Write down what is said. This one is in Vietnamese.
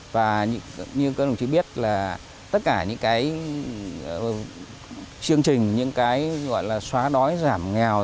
và như các đồng chí biết là tất cả những cái chương trình những cái gọi là xóa đói giảm nghèo